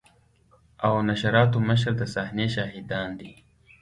او نشراتو مشر د صحنې شاهدان دي.